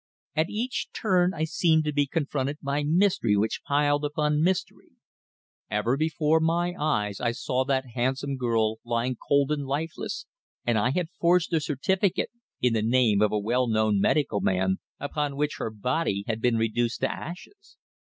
At each turn I seemed to be confronted by mystery which piled upon mystery. Ever before my eyes I saw that handsome girl lying cold and lifeless, and I had forged a certificate in the name of a well known medical man, upon which her body had been reduced to ashes!